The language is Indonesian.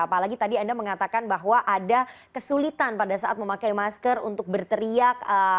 apalagi tadi anda mengatakan bahwa ada kesulitan pada saat memakai masker untuk berteriak